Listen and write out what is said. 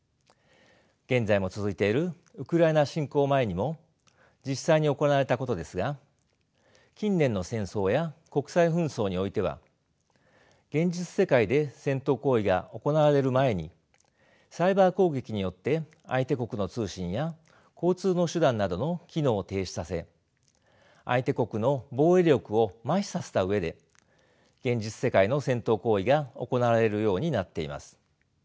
現在も続いているウクライナ侵攻前にも実際に行われたことですが近年の戦争や国際紛争においては現実世界で戦闘行為が行われる前にサイバー攻撃によって相手国の通信や交通の手段などの機能を停止させ相手国の防衛力を麻痺させた上で現実世界の戦闘行為が行われるようになっています。